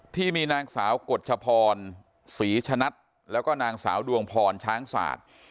ที่มีนางสาวกฎชพรศรีชนัดแล้วก็นางสาวดวงพรช้างศาสตร์